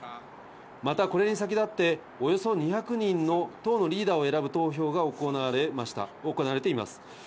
また、これに先立って、およそ２００人の党のリーダーを選ぶ投票が行われています。